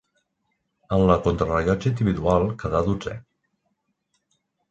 En la contrarellotge individual quedà dotzè.